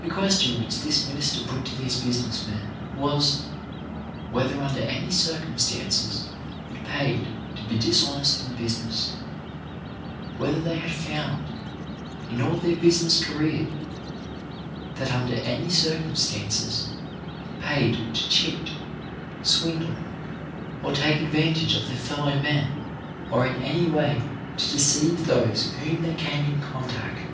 The question which this minister put to these business men was, whether under any circum stances it paid to be dishonest in business ; whether 87 88 CHARACTER BUILDING they had found, in all their business career, that under any circumstances it paid to cheat, swindle or take advantage of their fellow men, or in any way to deceive those with whom they came in contact.